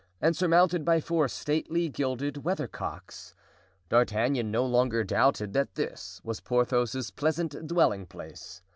and surmounted by four stately, gilded weather cocks. D'Artagnan no longer doubted that this was Porthos's pleasant dwelling place.